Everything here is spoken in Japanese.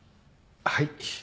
はい。